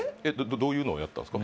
どういうのをやったんすか？